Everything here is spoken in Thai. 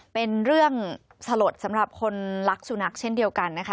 เป็นเรื่องสลดสำหรับคนรักสุนัขเช่นเดียวกันนะคะ